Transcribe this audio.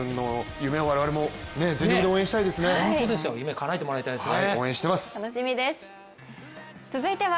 夢、かなえてもらいたいですね。